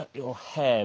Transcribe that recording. はい。